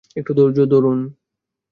একটু ধৈর্য ধরুন।